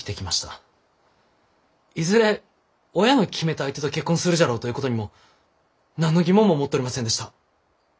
いずれ親の決めた相手と結婚するじゃろうということにも何の疑問も持っとりませんでした。